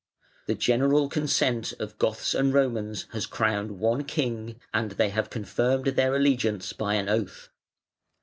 The general consent of Goths and Romans has crowned one King, and they have confirmed their allegiance by an oath.